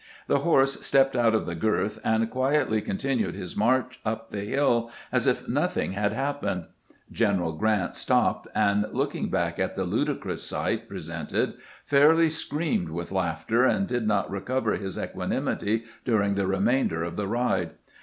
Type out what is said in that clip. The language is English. The horse stepped out of the girth and quietly continued his march up the bill as if nothing had happened. General Grant stopped, and looking back at the ludicrous sight presented, fairly screamed with laughter, and did not recover his equanimity duriag the remainder of the ride.